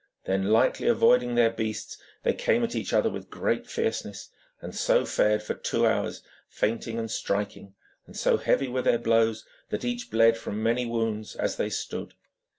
Then, lightly avoiding their beasts, they came at each other with great fierceness, and so fared for two hours, feinting and striking, and so heavy were their blows that each bled from many wounds as they stood.